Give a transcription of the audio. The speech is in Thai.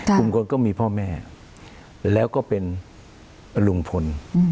ลุงพลก็มีพ่อแม่แล้วก็เป็นลุงพล